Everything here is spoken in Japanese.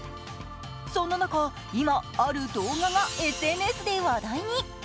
そんな中、ある動画がＳＮＳで話題に。